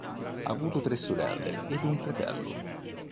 Ha avuto tre sorelle ed un fratello.